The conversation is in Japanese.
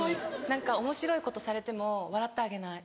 何かおもしろいことされても笑ってあげない。